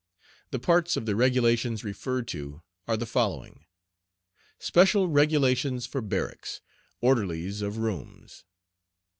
The parts of the regulations referred to are the following: SPECIAL REGULATIONS FOR BARRACKS. ORDERLIES OF ROOMS.